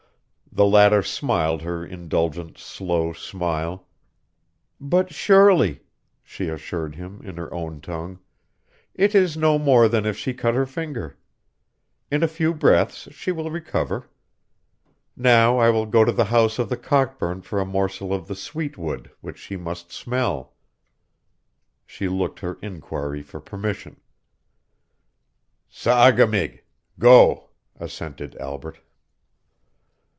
The latter smiled her indulgent, slow smile. "But surely," she assured him in her own tongue, "it is no more than if she cut her finger. In a few breaths she will recover. Now I will go to the house of the Cockburn for a morsel of the sweet wood[A] which she must smell." She looked her inquiry for permission. [Footnote A: Camphor.] "Sagaamig go," assented Albret.